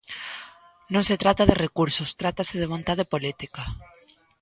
Non se trata de recursos, trátase de vontade política.